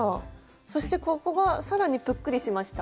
そしてここが更にぷっくりしました。